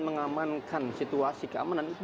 mengamankan situasi keamanan